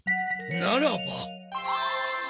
ならば！